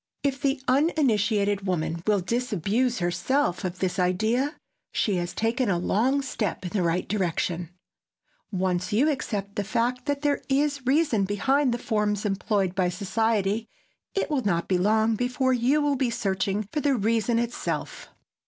If the uninitiated woman will disabuse herself of this idea, she has taken a long step in the right direction. Once you accept the fact that there is reason behind the forms employed by society, it will not be long before you will be searching for the reason itself.